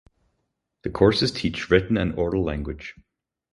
The courses teach written and oral language.